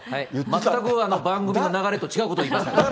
全く番組の流れと違うこと言いました。